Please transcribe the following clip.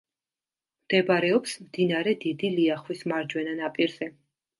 მდებარეობს მდინარე დიდი ლიახვის მარჯვენა ნაპირზე.